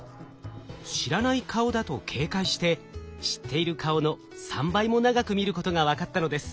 知らない顔だと警戒して知っている顔の３倍も長く見ることが分かったのです。